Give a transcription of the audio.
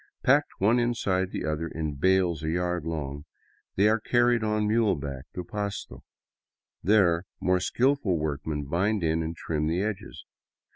Packed one inside the other in bales a yard long, they are carried on muleback to Pasto. There, more skillful workmen bind in and trim the edges.